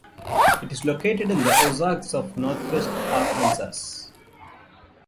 It is located in the Ozarks of northwest Arkansas.